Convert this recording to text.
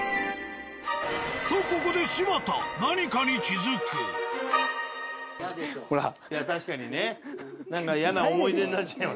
とここで何かにいや確かにね何か嫌な思い出になっちゃいます。